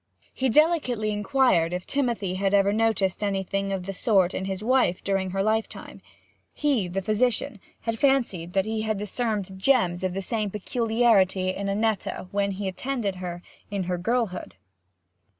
He delicately inquired if Timothy had ever noticed anything of the sort in his wife during her lifetime; he, the physician, had fancied that he discerned germs of the same peculiarity in Annetta when he attended her in her girlhood.